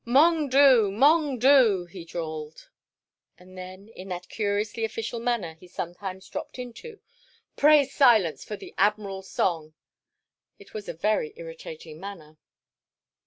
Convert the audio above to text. "Mong doo! Mong doo!" he drawled. And then in that curiously official manner he sometimes dropped into, "Pray silence for the Admiral's song!" It was a very irritating manner.